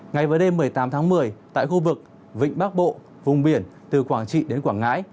ngày với đêm một mươi tám tháng một mươi tại khu vực vịnh bắc bộ vùng biển từ quảng trị đến quảng ngãi